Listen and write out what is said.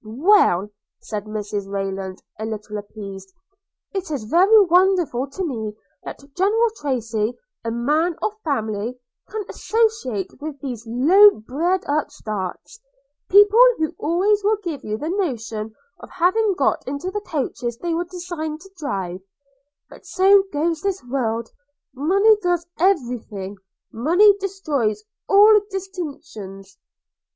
'Well,' said Mrs Rayland, a little appeased, 'it is very wonderful to me that General Tracy, a man of family, can associate with these low bred upstarts – people who always will give one the notion of having got into the coaches they were designed to drive – But so goes this world! Money does every thing – money destroys all distinctions!